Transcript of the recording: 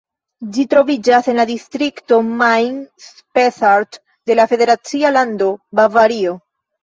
Ĝi troviĝas en la distrikto Main-Spessart de la federacia lando Bavario.